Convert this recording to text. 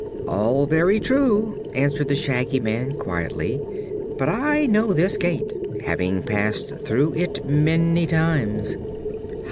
"All very true," answered the Shaggy Man, quietly; "but I know this gate, having passed through it many times."